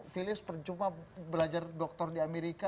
philips percuma belajar doktor di amerika